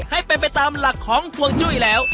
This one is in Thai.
ให้เป็นไปตามหลักของห่วงจุ้ยแล้ว